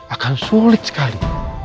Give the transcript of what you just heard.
akan sulit sekali